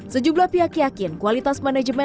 sejumlah pihak yakin kualitas manajemen